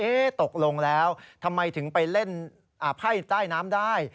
ตกลงแล้วทำไมถึงไปเล่นไพ่ใต้น้ำได้